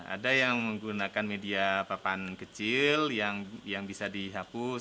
ada yang menggunakan media papan kecil yang bisa dihapus